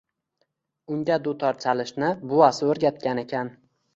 Unga dutor chalishni buvasi o‘rgatgan ekan